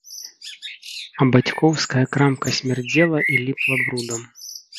А бацькоўская крамка смярдзела і ліпла брудам.